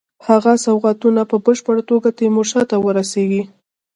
هغه سوغاتونه په بشپړه توګه تیمورشاه ته ورسیږي.